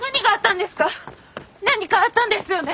何かあったんですよね？